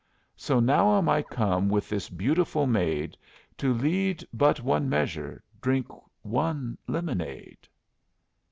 'So now am I come with this beautiful maid To lead but one measure, drink one lemonade.'